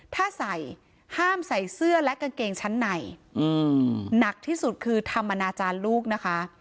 ถ้าใส่ห้ามใส่เสื้อและกางเกงชั้นในหนักที่สุดคือทำอนาจารย์ลูกนะคะ